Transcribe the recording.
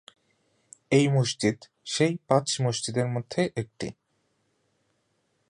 এই মসজিদ সেই পাঁচ মসজিদের মধ্যে একটি।